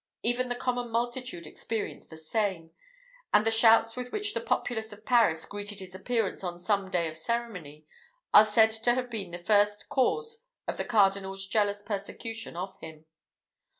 Even the common multitude experienced the same; and the shouts with which the populace of Paris greeted his appearance on some day of ceremony, are said to have been the first cause of the Cardinal's jealous persecution of him.